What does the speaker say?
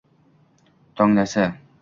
tonglasi